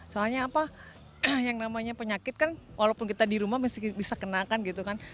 soalnya apa yang namanya penyakit kan walaupun kita di rumah masih bisa kenakan gitu kan